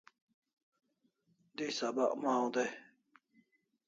Dish sabak maw day